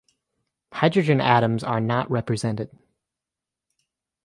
Hydrogen atoms are not represented.